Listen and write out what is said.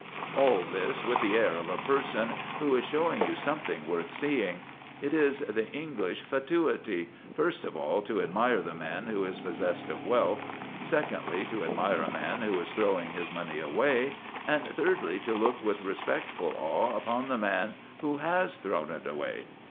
All this with the air of a person who is showing you something worth seeing. It is the English fatuity, first of all, to admire the man who is possessed of wealth; secondly, to admire a man who is throwing his money away; and, thirdly, to look with respectful awe upon the man who has thrown it away.